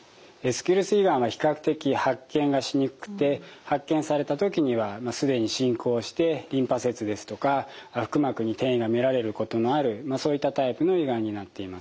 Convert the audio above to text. スキルス胃がんは比較的発見がしにくくて発見された時には既に進行してリンパ節ですとか腹膜に転移が見られることのあるそういったタイプの胃がんになっています。